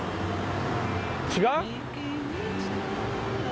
違う？